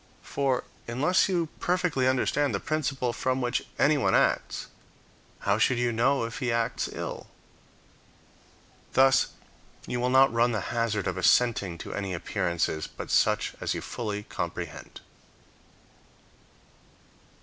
For, unless you perfectly understand the principle from which anyone acts, how should you know if he acts ill? Thus you will not run the hazard of assenting to any appearances but such as you fully comprehend.